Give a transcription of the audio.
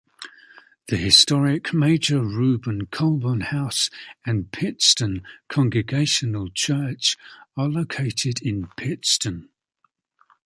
The historic Major Reuben Colburn House and Pittston Congregational Church are located in Pittston.